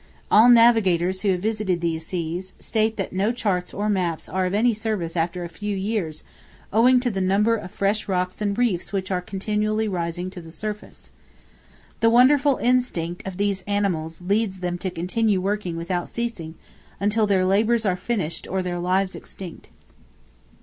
All navigators who have visited these seas, state that no charts or maps are of any service after a few years, owing to the number of fresh rocks and reefs which are continually rising to the surface. The wonderful instinct of these animals leads them to continue working without ceasing, until their labors are finished, or their lives extinct.